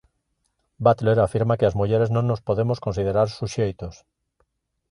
Butler afirma que as mulleres non nos podemos considerar suxeitos.